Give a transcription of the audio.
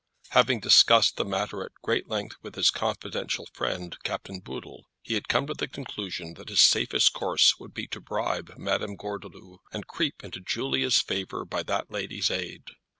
Having discussed the matter at great length with his confidential friend, Captain Boodle, he had come to the conclusion that his safest course would be to bribe Madame Gordeloup, and creep into Julia's favour by that lady's aid.